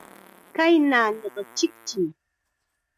Kay naaniqa kichkim.